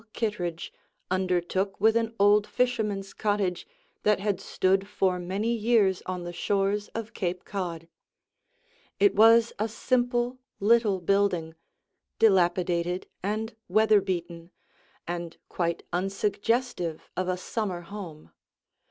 Kittredge undertook with an old fisherman's cottage that had stood for many years on the shores of Cape Cod. It was a simple little building, dilapidated and weather beaten, and quite unsuggestive of a summer home.